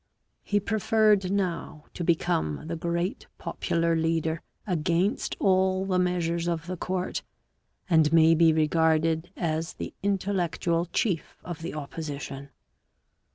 He preferred now to become the great popular leader against all the measures of the court, and may be regarded as the intellectual chief of the opposition.